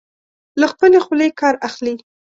له خپلې خولې کار اخلي.